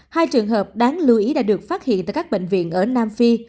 hai trường hợp đáng lưu ý đã được phát hiện tại các bệnh viện ở nam phi